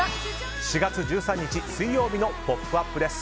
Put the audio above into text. ４月１３日、水曜日の「ポップＵＰ！」です。